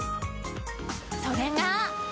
それが。